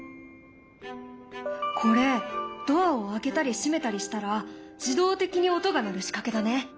これドアを開けたり閉めたりしたら自動的に音が鳴る仕掛けだね。